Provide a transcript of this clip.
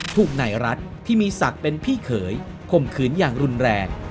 ถูกนายรัฐที่มีศักดิ์เป็นพี่เขยข่มขืนอย่างรุนแรง